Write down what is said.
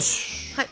はい。